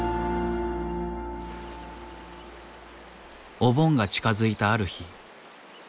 お盆が近づいたある日。